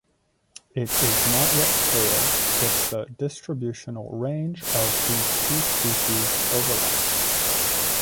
It is not yet clear if the distributional range of these two species overlaps.